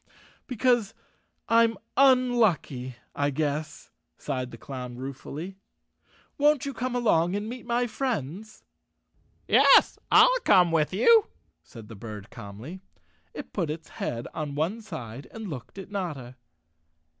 "Because I'm unlucky, I guess," sighed the clown ruefully. "Won't you come along and meet my friends?" "Yes, IT1 come with you," said the bird calmly. It put its head on one side and looked at Notta.